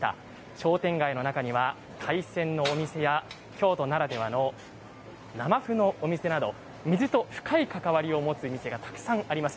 商店街の中には海鮮のお店や京都ならではの生麩のお店など水と深い関わりを持つ店がたくさんあります。